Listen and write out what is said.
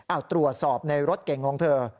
อ่าวตรวจสอบในรถเก่งลงเธอ